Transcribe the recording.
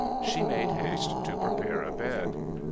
She made haste to prepare a bed.